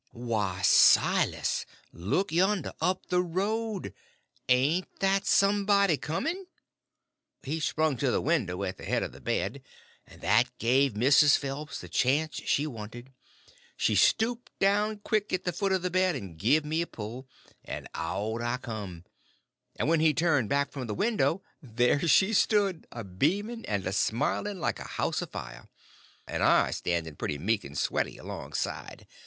"Why, Silas! Look yonder!—up the road!—ain't that somebody coming?" He sprung to the window at the head of the bed, and that give Mrs. Phelps the chance she wanted. She stooped down quick at the foot of the bed and give me a pull, and out I come; and when he turned back from the window there she stood, a beaming and a smiling like a house afire, and I standing pretty meek and sweaty alongside.